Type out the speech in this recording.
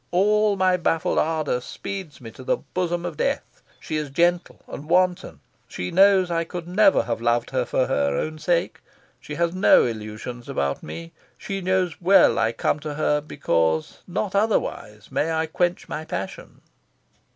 All my baffled ardour speeds me to the bosom of Death. She is gentle and wanton. She knows I could never have loved her for her own sake. She has no illusions about me. She knows well I come to her because not otherwise may I quench my passion."